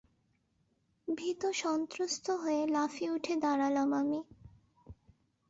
ভীতসন্ত্রস্ত হয়ে লাফিয়ে উঠে দাঁড়ালাম আমি।